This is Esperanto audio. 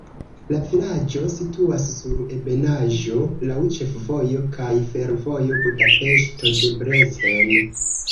La vilaĝo situas sur ebenaĵo, laŭ ĉefvojo kaj fervojo Budapeŝto-Debrecen.